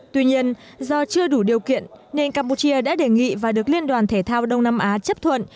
tuy nhiên do chưa đủ điều kiện nên campuchia đã đề nghị và được liên đoàn thể thao đông nam á chấp thuận